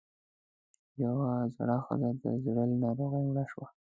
يوه زړه ښځۀ د زړۀ له ناروغۍ مړه شوه